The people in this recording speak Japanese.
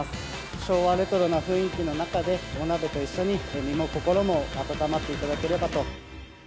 昭和レトロな雰囲気の中で、お鍋と一緒に身も心も温まっていただければと。